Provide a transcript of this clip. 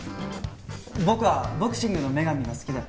僕は『ボクシングの女神』が好きだったから。